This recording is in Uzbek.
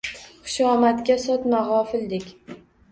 Xushomadga sotma gʼofildek.